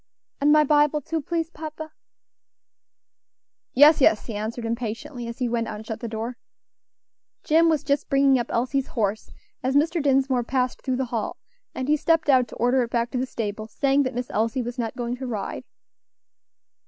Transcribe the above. "And my Bible too, please, papa." "Yes, yes," he answered impatiently, as he went out and shut the door. Jim was just bringing up Elsie's horse, as Mr. Dinsmore passed through the hall, and he stepped out to order it back to the stable, saying that Miss Elsie was not going to ride.